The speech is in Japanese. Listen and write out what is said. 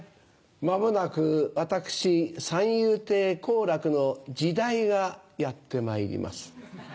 まもなく私三遊亭好楽の時代がやってまいります。